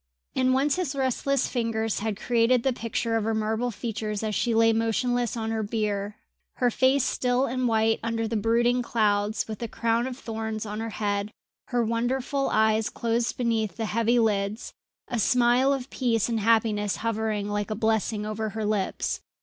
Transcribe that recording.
And once his restless fingers had created the picture of her marble features as she lay motionless on her bier, her face still and white under the brooding clouds, with the crown of thorns on her head, her wonderful eyes closed beneath the heavy lids, a smile of peace and happiness hovering like a blessing over her lips.